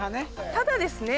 ただですね